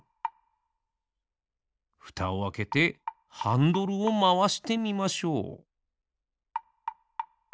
ふたをあけてハンドルをまわしてみましょう。